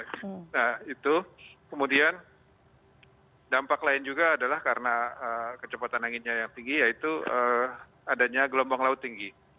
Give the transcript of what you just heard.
nah itu kemudian dampak lain juga adalah karena kecepatan anginnya yang tinggi yaitu adanya gelombang laut tinggi